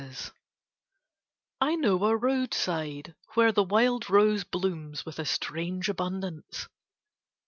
ROSES I know a roadside where the wild rose blooms with a strange abundance.